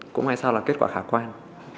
cũng hay sao là kết quả khả quan